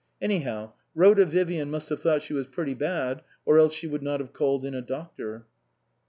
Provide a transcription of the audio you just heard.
Anyhow Rhoda Vivian must have thought she was pretty bad or she would not have called in a doctor.